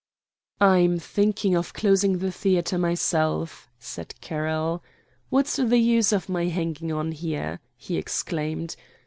"I'm thinking of closing the theatre myself," said Carroll. "What's the use of my hanging on here?" he exclaimed.